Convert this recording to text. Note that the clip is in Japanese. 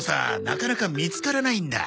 なかなか見つからないんだ。